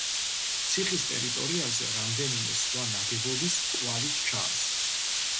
ციხის ტერიტორიაზე რამდენიმე სხვა ნაგებობის კვალიც ჩანს.